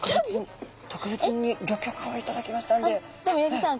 でも八木さん